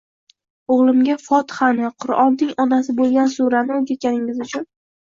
O‘g‘limga Fotihani, Qur'onning onasi bo‘lgan surani o‘rgatganingiz uchun»